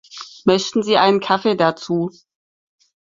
Möchten Sie einen Kaffee dazu?